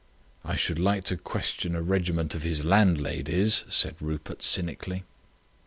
"I should like to question a regiment of his landladies," said Rupert cynically.